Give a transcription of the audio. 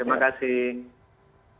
selamat pagi salam sehat